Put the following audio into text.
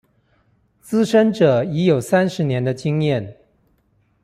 資深者已有三十年的經驗